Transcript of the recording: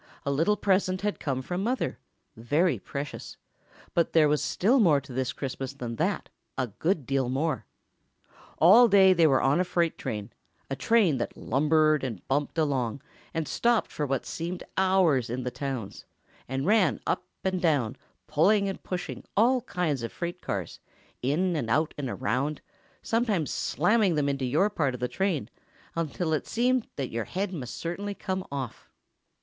A little present had come from Mother—very precious—but there was still more to this Christmas than that—a good deal more. All day they were on a freight train, a train that lumbered and bumped along, and stopped for what seemed hours in the towns, and ran up and down, pulling and pushing all kinds of freight cars, in and out and around, sometimes slamming them into your part of the train, until it seemed your head must certainly come off.